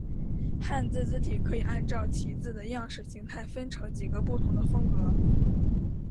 汉字字体可以按照其字的样式形态分成几个不同的风格。